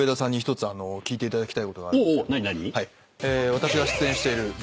私が出演している土